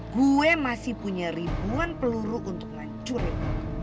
gue masih punya ribuan peluru untuk mancurin